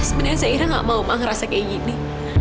sebenernya zairah gak mau ma ngerasa kayak gini